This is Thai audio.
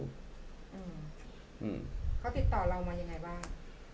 เขาติดต่อเรามาอย่างไรบ้าง